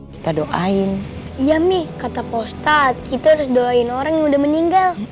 kita doain iya mih kata postat kita doain orang yang udah meninggal